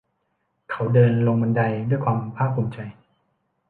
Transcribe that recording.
เขาเดินลงบันไดด้วยความภาคถูมิใจ